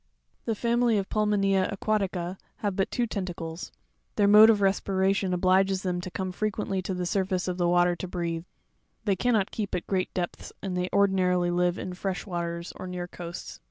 20. The family of PuLmMonea Aquatica have but two tentacles (fig. 18, page 33); their mode of respiration obliges them to come fre quently to the surface of the water to breathe: they cannot keep at great depths, and they ordinarily live in fresh waters, or near coasts.